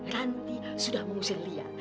rantik sudah mengusir liat